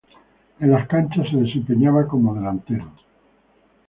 En las canchas se desempeñaba como delantero.